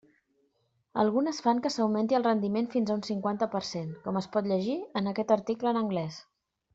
Algunes fan que s'augmenti el rendiment fins a un cinquanta per cent, com es pot llegir en aquest article en anglès.